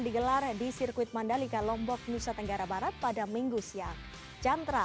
digelar di sirkuit mandalika lombok nusa tenggara barat pada minggu siang chandra